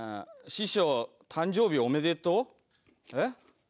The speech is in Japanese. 「師匠誕生日おめでとう」えっ？